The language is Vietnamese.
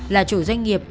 là chủ doanh nghiệp